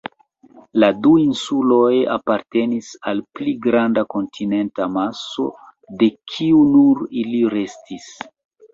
La du insuloj apartenis al pli granda kontinenta maso, de kiu nur ili restis.